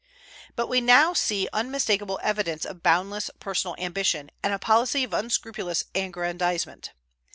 But we now see unmistakable evidence of boundless personal ambition, and a policy of unscrupulous aggrandizement.